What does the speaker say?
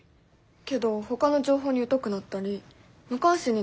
けどほかの情報に疎くなったり無関心になったりしない？